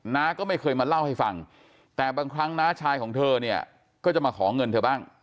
น้าก็ไม่เคยมาเล่าให้ฟังแต่บางครั้งน้าชายของเธอเนี่ยก็จะมาขอเงินเธอบ้าง